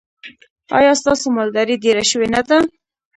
ایا ستاسو مالداري ډیره شوې نه ده؟